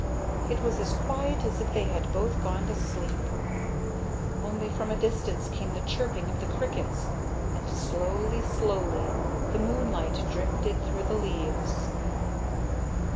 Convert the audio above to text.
It was as quiet as if they had both gone to sleep. Only from a distance came the chirping of the crickets, and slowly, slowly the moonlight drifted through the leaves.